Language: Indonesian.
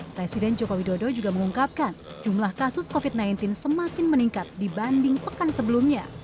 presiden joko widodo juga mengungkapkan jumlah kasus covid sembilan belas semakin meningkat dibanding pekan sebelumnya